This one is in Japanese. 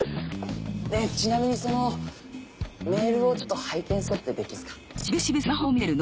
ちなみにそのメールをちょっと拝見することってできますか？